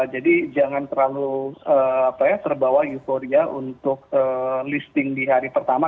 jadi jangan terlalu terbawa euforia untuk listing di hari pertama